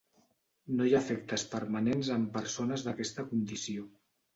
No hi ha efectes permanents en persones d'aquesta condició.